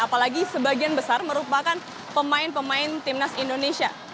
apalagi sebagian besar merupakan pemain pemain timnas indonesia